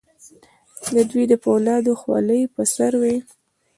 د دوی د فولادو خولۍ په سر وې.